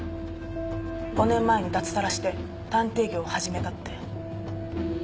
５年前に脱サラして探偵業を始めたって。